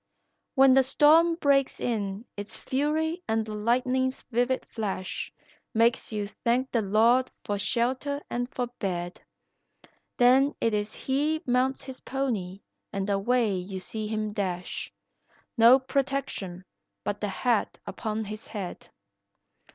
When the storm breaks in its fury and the lightning's vivid flash Makes you thank the Lord for shelter and for bed, Then it is he mounts his pony and away you see him dash, No protection but the hat upon his head.